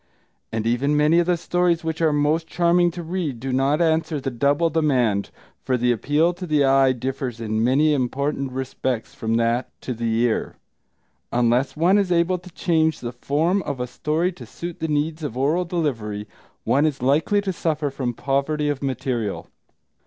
And even many of the stories which are most charming to read do not answer the double demand, for the appeal to the eye differs in many important respects from that to the ear. Unless one is able to change the form of a story to suit the needs of oral delivery, one is likely to suffer from poverty of material.